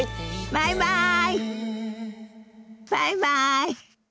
バイバイ。